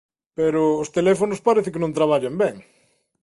Pero os teléfonos parece que non traballan ben.